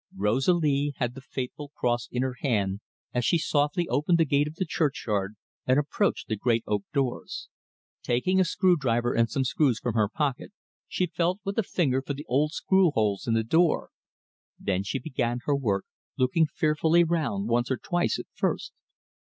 Rosalie had the fateful cross in her hand as she softly opened the gate of the churchyard and approached the great oak doors. Taking a screw driver and some screws from her pocket, she felt with a finger for the old screw holes in the door. Then she began her work, looking fearfully round once or twice at first.